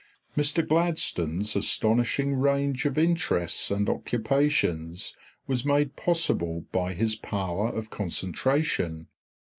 Mr. Gladstone's astonishing range of interests and occupations was made possible by his power of concentration.